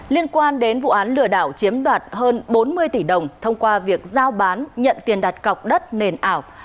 liên quan đến vụ án lừa đảo chiếm đoạt hơn bốn mươi tỷ đồng thông qua việc giao bán nhận tiền đặt cọc đất nền ảo